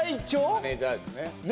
猫マネージャーですね